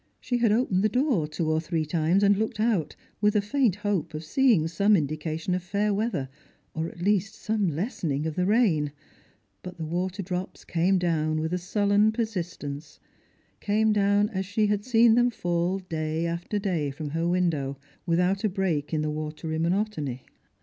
She had opened the door two or three times and looked out, with a faint hope of seeing some indication of fair weather, or at least some lessening of the ruin ; but the water drops came down with a sullen persistence — came down as she had seen them fall day after day from her window, without a break in the watery monotony.